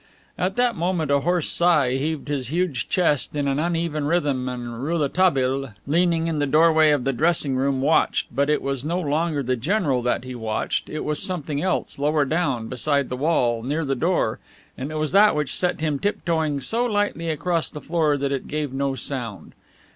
At that moment a hoarse sigh heaved his huge chest in an uneven rhythm, and Rouletabille, leaning in the doorway of the dressing room, watched but it was no longer the general that he watched, it was something else, lower down, beside the wall, near the door, and it was that which set him tiptoeing so lightly across the floor that it gave no sound.